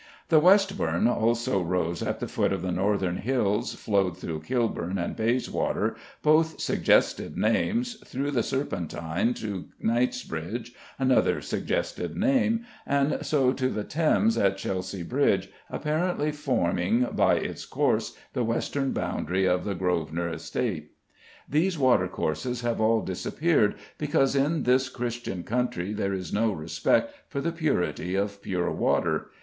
The Westbourne also rose at the foot of the Northern Hills, flowed through Kilburn and Bayswater, both suggestive names, through the Serpentine to Knightsbridge, another suggestive name, and so to the Thames at Chelsea Bridge, apparently forming by its course the western boundary of the Grosvenor Estate. These watercourses have all disappeared, because in this Christian country there is no respect for the purity of pure water.